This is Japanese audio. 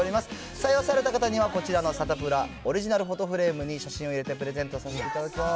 採用された方にはこちらのサタプラオリジナルフォトフレームに写真を入れてプレゼントさせていただきます。